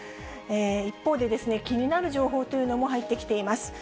一方で、気になる情報というのも入ってきています。